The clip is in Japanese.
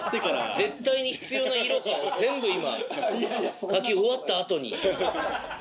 絶対に必要なイロハを全部今書き終わった後に。